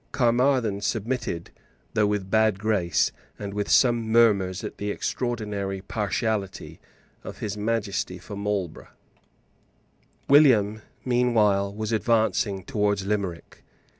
Caermarthen submitted, though with a bad grace, and with some murmurs at the extraordinary partiality of His Majesty for Marlborough, William meanwhile was advancing towards Limerick.